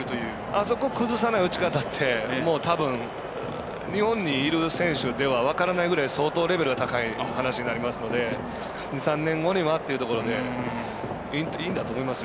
あそこを崩さない打ち方って、たぶん日本にいる選手では分からないぐらい相当レベルの高い話になりますので２３年後にはというところでいいんだと思います。